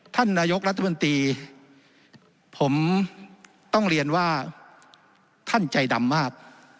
ท่านนายกรัฐมนตรีผมต้องเรียนว่าท่านใจดำมาก